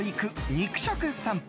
肉食さんぽ。